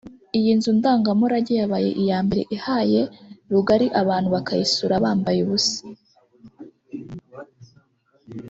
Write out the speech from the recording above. Iyi nzu ndangamurage yabaye iya mbere ihaye rugari abantu bakayisura bambaye ubusa